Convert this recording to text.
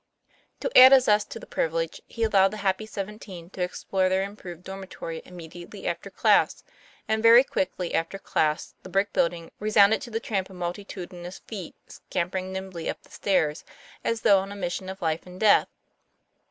To add a zest to the privilege, he allowed the happy seventeen to explore their improved dormitory immediately after class, and very quickly after class the brick building resounded to the tramp of multi tudinous feet scampering nimbly up the stairs as though on a mission of life and death.